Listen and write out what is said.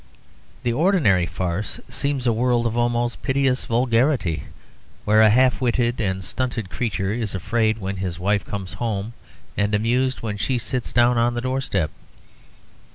The ordinary farce seems a world of almost piteous vulgarity, where a half witted and stunted creature is afraid when his wife comes home, and amused when she sits down on the doorstep.